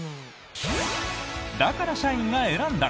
だから社員が選んだ！